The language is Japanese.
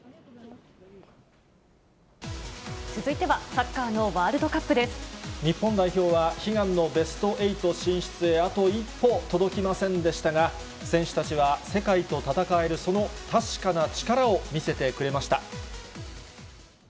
続いてはサッカーのワールド日本代表は、悲願のベスト８進出へあと一歩届きませんでしたが、選手たちは世界と戦える、その確かな力を見せてくれました。